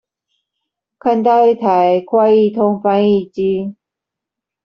看到一台快譯通翻譯機